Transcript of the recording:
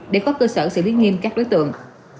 để có cơ sở xử lý nghiêm các đối tượng